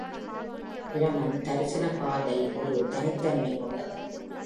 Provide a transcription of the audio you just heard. பிருமன் தரிசன காதை ஒரு தனித்தன்மை கொண்டது.